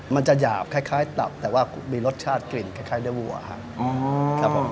มันจะหยาบคล้ายตับแต่ว่ามีรสชาติกลิ่นคล้ายเนื้อวัวครับผม